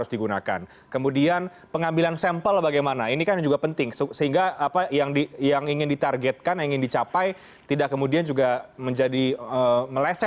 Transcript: tidak kemudian juga menjadi meleset begitu bu nadia